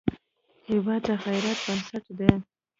هېواد د غیرت بنسټ دی.